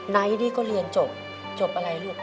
ไทนี่ก็เรียนจบจบอะไรลูก